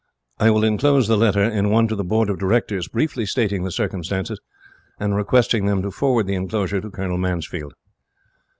I will enclose the letter in one to the Board of Directors, briefly stating the circumstances, and requesting them to forward the enclosure to Colonel Mansfield."